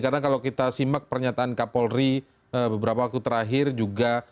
karena kalau kita simak pernyataan kapolri beberapa waktu terakhir juga